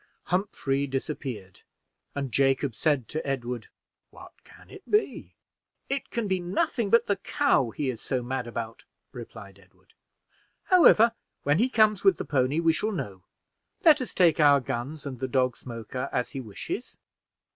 Humphrey disappeared, and Jacob said to Edward "What can it be?" "It can be nothing but the cow he is so mad about," replied Edward. "However, when he comes with the pony, we shall know; let us take our guns and the dog Smoker as he wishes."